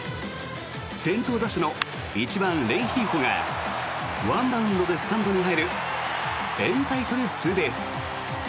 先頭打者の１番、レンヒーフォがワンバウンドでスタンドに入るエンタイトルツーベース。